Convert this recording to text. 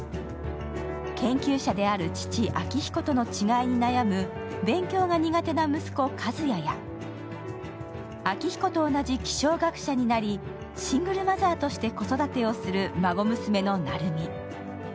研究者である父・昭彦との違いに悩む勉強が苦手な息子・和也や昭彦と同じ気象学者になり、シングルマザーとして子育てをする孫娘の成美。